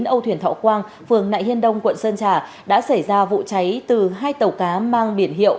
âu thuyền thọ quang phường nại hiên đông quận sơn trà đã xảy ra vụ cháy từ hai tàu cá mang biển hiệu